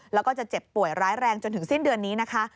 แล้วก็จะเจ็บป่วยร้ายแรงจนถึงสิ้นเดือนนี้นะคะ